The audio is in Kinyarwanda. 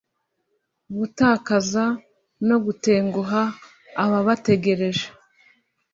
gutakaza no gutenguha ababategereje